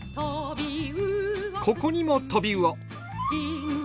ここにもトビウオ！